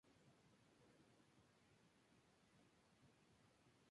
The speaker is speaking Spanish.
Al mes siguiente son nominados a los premios Altazor.